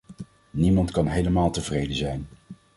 Niemand kan helemaal tevreden zijn.